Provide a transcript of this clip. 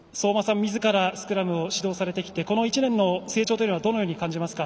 みずからスクラムを指導されてきてこの１年の成長をどのように感じますか？